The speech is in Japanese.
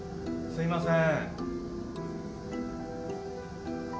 すいません。